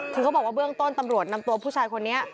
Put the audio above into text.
คือเขาบอกว่าเบื้องต้นตำรวจนำตัวผู้ชายคนนี้